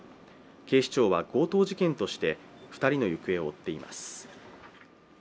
警視庁は強盗事件として２人の行方を追っています。